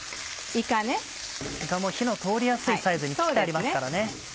いかも火の通りやすいサイズに切ってありますからね。